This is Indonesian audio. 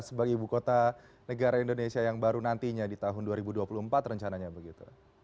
sebagai ibu kota negara indonesia yang baru nantinya di tahun dua ribu dua puluh empat rencananya begitu